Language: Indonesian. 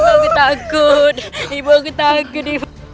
aku takut ibu aku takut